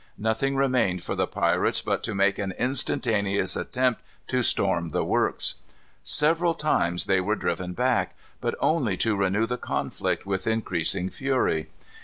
Nothing remained for the pirates but to make an instantaneous attempt to storm the works. Several times they were driven back, but only to renew the conflict with increasing fury.